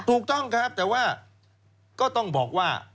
ถูกต้องครับแต่ว่าก็ต้องบอกว่า